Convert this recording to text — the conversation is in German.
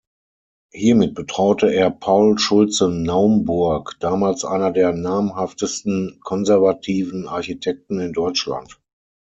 Hiermit betraute er Paul Schultze-Naumburg, damals einer der namhaftesten konservativen Architekten in Deutschland.